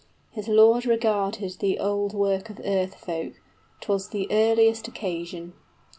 His lord regarded 65 The old work of earth folk 'twas the earliest occasion.